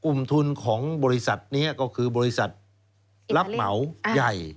กลุ่มทุนของบริษัทนี้ก็คือบริษัทรับเหมาใหญ่